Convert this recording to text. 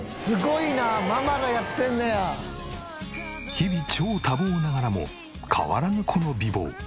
日々超多忙ながらも変わらぬこの美貌。